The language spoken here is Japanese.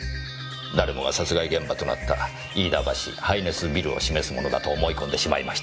誰もが殺害現場となった飯田橋ハイネスビルを示すものだと思い込んでしまいました。